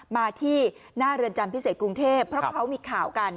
มาที่หน้าเรือนจำพิเศษกรุงเทพเพราะเขามีข่าวกัน